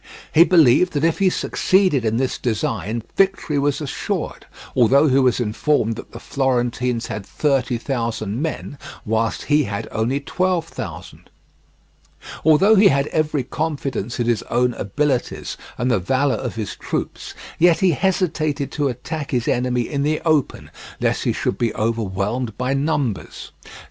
He believed that if he succeeded in this design, victory was assured, although he was informed that the Florentines had thirty thousand men, whilst he had only twelve thousand. Although he had every confidence in his own abilities and the valour of his troops, yet he hesitated to attack his enemy in the open lest he should be overwhelmed by numbers.